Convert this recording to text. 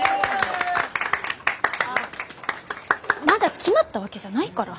あっまだ決まったわけじゃないから。